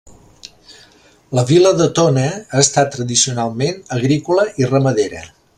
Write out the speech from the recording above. La vila de Tona ha estat tradicionalment agrícola i ramadera.